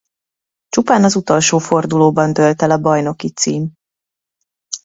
Csupán az utolsó fordulóban dőlt el a bajnoki cím.